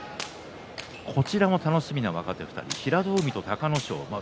こちらも楽しみな若手平戸海と隆の勝です。